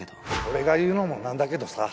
俺が言うのもなんだけどさ。